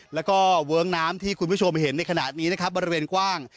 แล้วก็เวิ้งน้ำที่คุณผู้ชมเห็นในขณะนี้นะครับบริเวณกว้าง